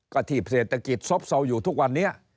กระทีบเศรษฐกิจซบซอว์อยู่ทุกวันเนี่ย